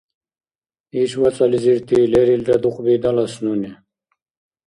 Иш вацӀализирти лерилра дукьби далас нуни.